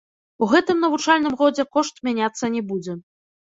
У гэтым навучальным годзе кошт мяняцца не будзе.